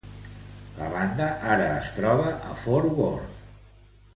La banda ara es troba a Fort Worth.